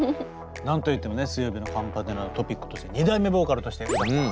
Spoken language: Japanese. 何と言ってもね水曜日のカンパネラのトピックとして２代目ボーカルとして詩羽さん。